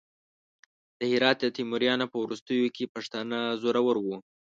د هرات د تیموریانو په وروستیو کې پښتانه زورور وو.